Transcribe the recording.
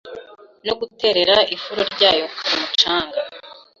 no guterera ifuro ryayo ku mucanga.